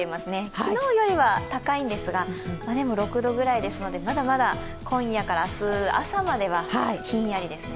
昨日よりは高いんですが、６度ぐらいですので、まだまだ今夜から明日朝まではひんやりですね。